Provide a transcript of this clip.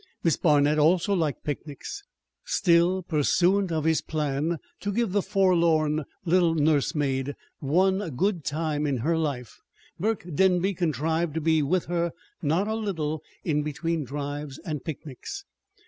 Miss Barnet also liked picnics. Still pursuant of his plan to give the forlorn little nursemaid "one good time in her life," Burke Denby contrived to be with her not a little in between drives and picnics.